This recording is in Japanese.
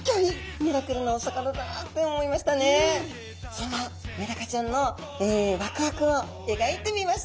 そんなメダカちゃんのワクワクを描いてみました。